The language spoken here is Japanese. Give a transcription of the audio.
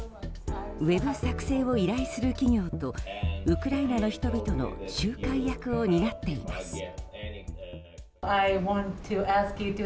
ウェブ作成を依頼する企業とウクライナの人々の仲介役を担っています。